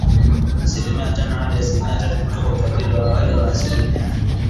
Asilimia tano hadi asilimia tatu kutoka utabiri wa awali wa asilimia nne.